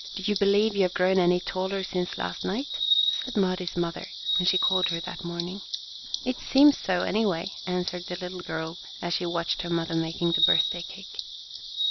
Do you believe you have grown any taller since last night?" said Mari's mother, when she called her that morning. "It seems so, anyway," answered the little girl, as she watched her mother making the birthday cake.